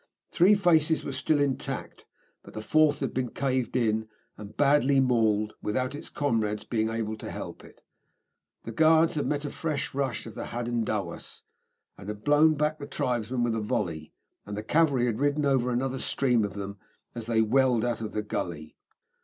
Three faces were still intact, but the fourth had been caved in, and badly mauled, without its comrades being able to help it. The Guards had met a fresh rush of the Hadendowas, and had blown back the tribesmen with a volley, and the cavalry had ridden over another stream of them, as they welled out of the gully.